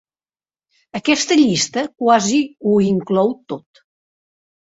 Aquesta llista quasi ho inclou tot.